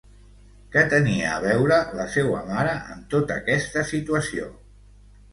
Què tenia a veure la seua mare en tota aquesta situació?